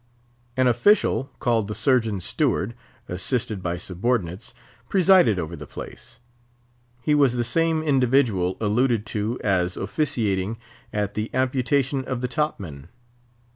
An official, called the surgeon's steward, assisted by subordinates, presided over the place. He was the same individual alluded to as officiating at the amputation of the top man.